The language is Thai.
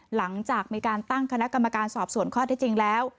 หลังจากมีการตั้งคณะกรรมการสอบส่วนข้อที่จริงแล้ว